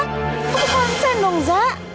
kamu konsen dong zak